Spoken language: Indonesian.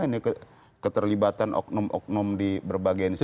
ini keterlibatan oknum oknum di berbagai institusi